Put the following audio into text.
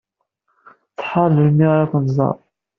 Tḥar melmi ara kent-tẓer.